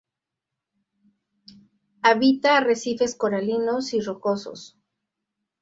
Habita arrecifes coralinos y rocosos.